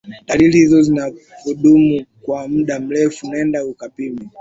dalili hizo zinapodumu kwa muda mrefu nenda ukapime